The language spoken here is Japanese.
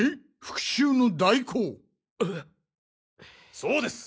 そうです。